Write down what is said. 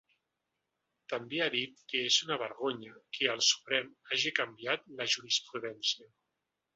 També ha dit que és un vergonya que el Suprem hagi canviat la jurisprudència.